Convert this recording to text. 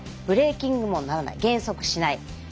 ブレーキングもならない減速しない。